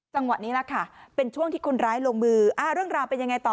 จังหวะนี้แหละค่ะเป็นช่วงที่คนร้ายลงมือเรื่องราวเป็นยังไงต่อ